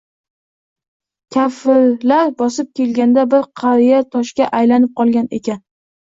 Kofirlar bosib kelganda bir qariya toshga aylanib qolgan ekan.